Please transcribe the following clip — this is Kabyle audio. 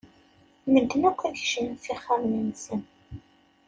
Medden akk ad kecmen s ixxamen-nsen.